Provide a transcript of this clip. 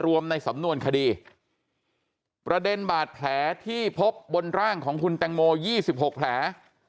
รวมในสำนวนคดีประเด็นบาดแผลที่ภพบนร่างของคุณแต่งโมยี่สิบหกแผล